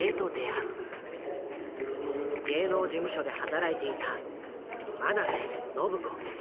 芸能事務所で働いていた曲直瀬信子。